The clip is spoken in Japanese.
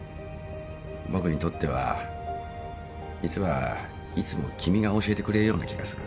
僕にとっては実はいつも君が教えてくれるような気がする。